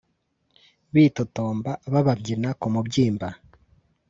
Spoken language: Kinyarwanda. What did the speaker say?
bitotomba bababyina ku mubyimba